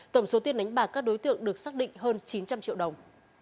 tổng số tiền đánh bạc các đối tượng được xác định hơn chín trăm linh triệu đồng